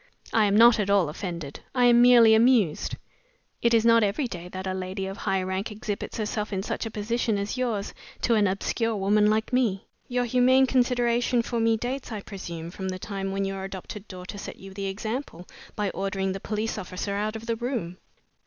I am not at all offended I am merely amused. It is not every day that a lady of high rank exhibits herself in such a position as yours to an obscure woman like me. Your humane consideration for me dates, I presume, from the time when your adopted daughter set you the example, by ordering the police officer out of the room?"